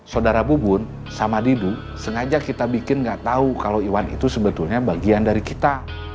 saudara bubun sama didu sengaja kita bikin nggak tahu kalau iwan itu sebetulnya bagian dari kita